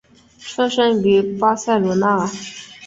出生于巴塞罗那。